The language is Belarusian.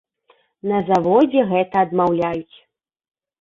На заводзе гэта адмаўляюць.